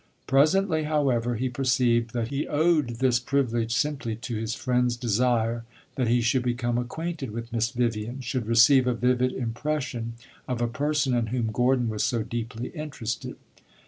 Presently, however, he perceived that he owed this privilege simply to his friend's desire that he should become acquainted with Miss Vivian should receive a vivid impression of a person in whom Gordon was so deeply interested.